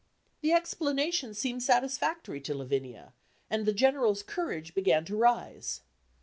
The explanation seemed satisfactory to Lavinia, and the General's courage began to rise.